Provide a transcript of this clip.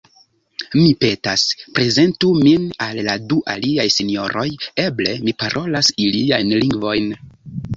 Mi petas: prezentu min al la du aliaj sinjoroj; eble mi parolas iliajn lingvojn.